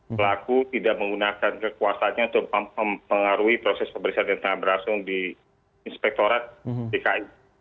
pelaku tidak menggunakan kekuasaannya untuk mempengaruhi proses pemeriksaan yang tengah berlangsung di inspektorat dki